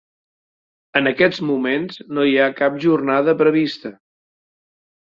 En aquests moments no hi ha cap jornada prevista.